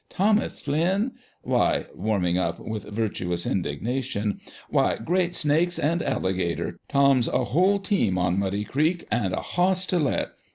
THOMAS FLINN ? Why" (warming up with virtuous in dignation) " why, great snakes and alligators ! Tom's a whole team on Muddy Creek and a hoss to let